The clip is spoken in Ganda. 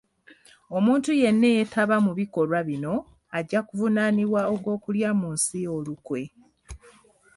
Omuntu yenna eyeetaba mu bikolwa bino, ajja kuvunaanibwa ogw'okulya mu nsi olukwe.